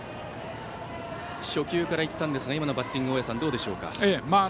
初球からいきましたが今のバッティングはどうでしょうか。